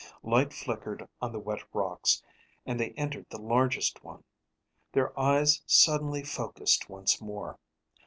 Light flickered on the wet rocks and they entered the largest one. Their eyes suddenly focused once more.